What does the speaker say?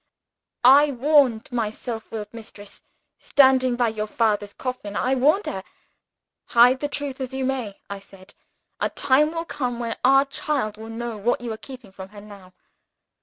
"I warned my self willed mistress. Standing by your father's coffin, I warned her. Hide the truth as you may (I said), a time will come when our child will know what you are keeping from her now.